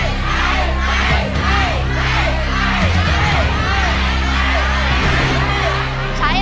ใช้ใช้ใช้